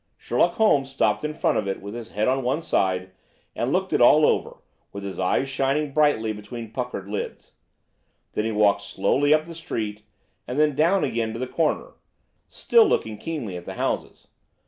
Sherlock Holmes stopped in front of it with his head on one side and looked it all over, with his eyes shining brightly between puckered lids. Then he walked slowly up the street, and then down again to the corner, still looking keenly at the houses.